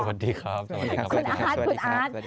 สวัสดีครับ